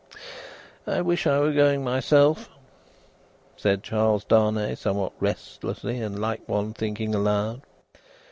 "I wish I were going myself," said Charles Darnay, somewhat restlessly, and like one thinking aloud.